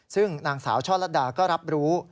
ซึ่งนางสาวช่อลัดดาก็รับรู้